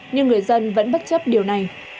nhưng vẫn bất chấp điều này